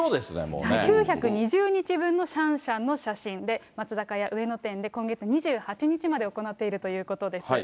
９２０日分のシャンシャンの写真で、松坂屋上野店で今月２８日まで行っているということです。